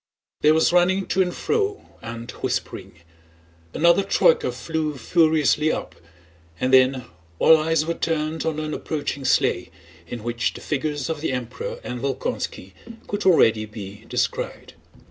There was running to and fro and whispering; another troyka flew furiously up, and then all eyes were turned on an approaching sleigh in which the figures of the Emperor and Volkónski could already be descried.